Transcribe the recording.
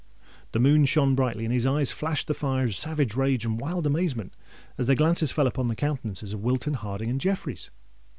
The moon shone brightly; and his eyes flashed the fires of savage rage and wild amazement, as their glances fell upon the countenances of Wilton, Harding, and Jeffreys.